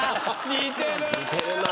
似てるな。